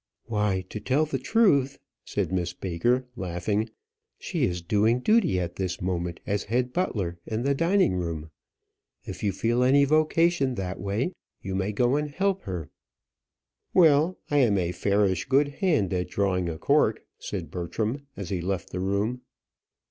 "Why, to tell the truth," said Miss Baker, laughing, "she is doing duty at this moment as head butler in the dining room. If you feel any vocation that way, you may go and help her." "Well, I am a fairish good hand at drawing a cork," said Bertram, as he left the room.